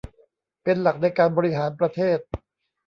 เป็นหลักในการบริหารประเทศ